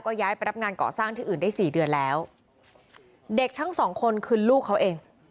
ย้ายไปรับงานก่อสร้างที่อื่นได้สี่เดือนแล้วเด็กทั้งสองคนคือลูกเขาเอง